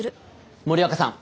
森若さん。